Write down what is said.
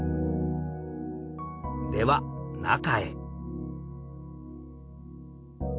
では中へ。